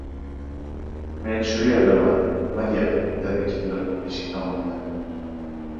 — Men shu yerdaman! Nima gap! — dedi kimdir eshik tomonda.